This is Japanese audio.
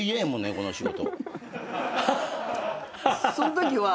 この仕事。